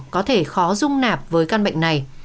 có thể khó dung nạp với căn bệnh này